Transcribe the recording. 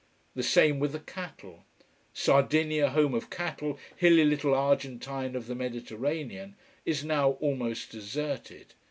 The same with the cattle. Sardinia, home of cattle, hilly little Argentine of the Mediterranean, is now almost deserted.